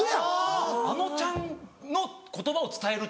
あのちゃんの言葉を伝える。